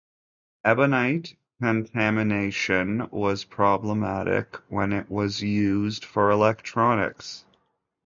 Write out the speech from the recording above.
Ebonite contamination was problematic when it was used for electronics.